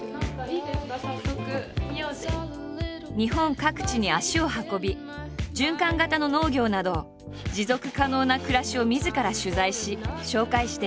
日本各地に足を運び循環型の農業など持続可能な暮らしをみずから取材し紹介している。